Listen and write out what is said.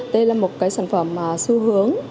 đây là một sản phẩm xu hướng